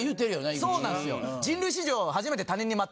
そうなんですよ。